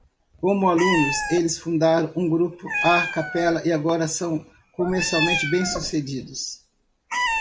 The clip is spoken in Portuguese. Como alunos?, eles fundaram um grupo a capella e agora são comercialmente bem-sucedidos.